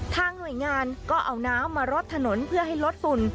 หน่วยงานก็เอาน้ำมารดถนนเพื่อให้ลดฝุ่น